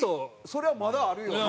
それはまだあるよね。